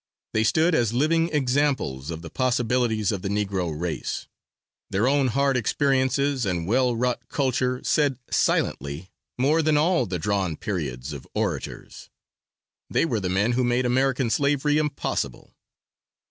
They stood as living examples of the possibilities of the Negro race, their own hard experiences and well wrought culture said silently more than all the drawn periods of orators they were the men who made American slavery impossible.